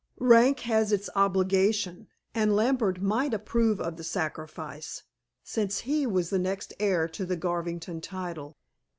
Rank has its obligation, and Lambert might approve of the sacrifice, since he was the next heir to the Garvington title.